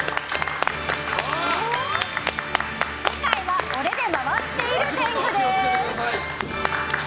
世界は俺で回っている天狗です。